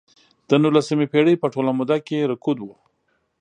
د نولسمې پېړۍ په ټوله موده کې رکود و.